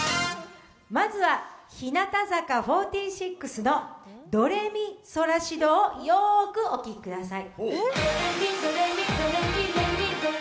まずは日向坂４６の「ドレミソラシド」をよくお聴きください。